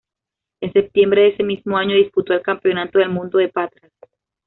En septiembre de ese mismo año disputó el Campeonato del Mundo de Patras.